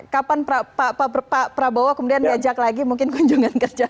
kapan pak prabowo kemudian diajak lagi mungkin kunjungan kerja